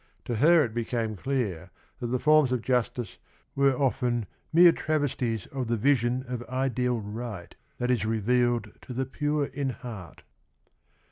To her it became clear that the forms of jus tice were often mere travesties of the vision of ideal right, that is revealed to the "pure in heart."